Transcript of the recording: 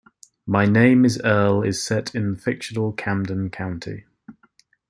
"My Name Is Earl" is set in fictional Camden County.